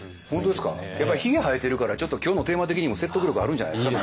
やっぱりひげ生えてるからちょっと今日のテーマ的にも説得力あるんじゃないんですか。